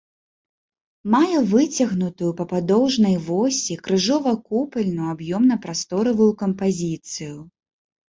Мае выцягнутую па падоўжнай восі крыжова-купальную аб'ёмна-прасторавую кампазіцыю.